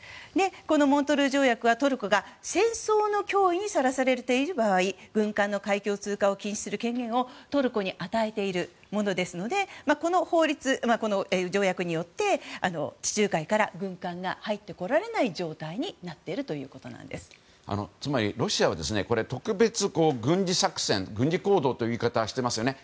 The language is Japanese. このモントルー条約はトルコが戦争の脅威にさらされている場合軍艦の通航を禁止する権限をトルコに与えているものですのでこの条約によって地中海から軍艦が入ってこられない状態につまり、ロシアは特別軍事作戦、軍事行動という言い方をしていますよね